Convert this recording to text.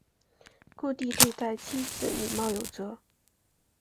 顾悌对待妻子礼貌有则。